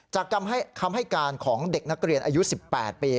จากคำให้การของเด็กนักเรียนอายุ๑๘ปี